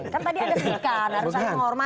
kan tadi ada sedihkan harus saling menghormati